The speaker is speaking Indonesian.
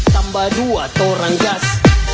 tambah dua torang gas